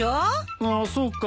ああそうか。